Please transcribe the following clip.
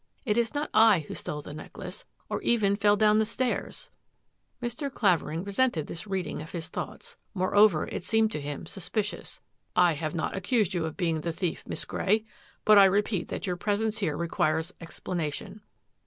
It is not I who stole the necklace, or even fell down the stairs." Mr. Clavering resented this reading of his thoughts. Moreover, it seemed to him suspicious. " I have not accused you of being the thief. Miss Grey. But I repeat that your presence here re quires explanation."